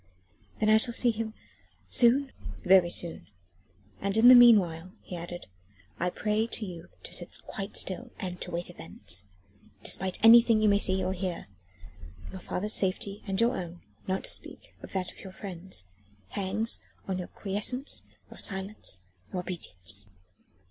"Then I shall see him ... soon?" "Very soon. And in the meanwhile," he added, "I pray you to sit quite still and to wait events ... despite anything you may see or hear. Your father's safety and your own not to speak of that of your friends hangs on your quiescence, your silence, your obedience."